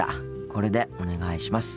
これでお願いします。